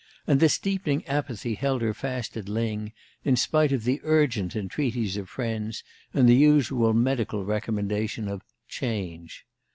And this deepening apathy held her fast at Lyng, in spite of the urgent entreaties of friends and the usual medical recommendation of "change."